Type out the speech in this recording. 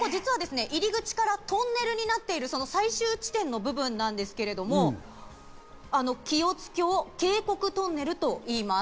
ここ、入り口からトンネルになっている最終地点の部分なんですけど、清津峡渓谷トンネルと言います。